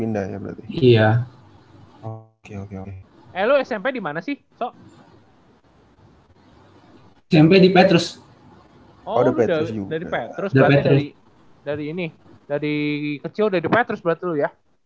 dari kecil udah di petrus berarti ya